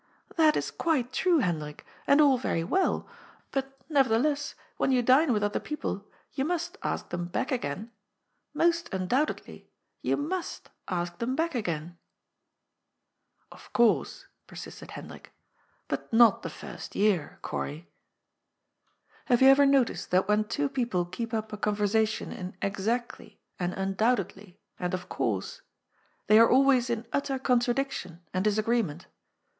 "That is quite true, Hendrik, and all very well. Ig2 GOD'S POOL. But, neyertheless, when yon dine with other people, yon must ask them back again* Most undoubtedly, yon must ask them back again.'' " Of course," persisted Hendrik, " but not the first year, Corry." Have you ever noticed that when two people keep up a conversation in "exactly" and "undoubtedly" and "of course," they are always in utter contradiction and disagree ment